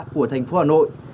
của thành phố hà nội